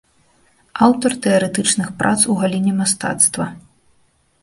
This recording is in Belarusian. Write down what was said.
Аўтар тэарэтычных прац у галіне мастацтва.